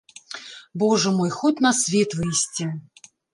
Божа мой, хоць на свет выйсці.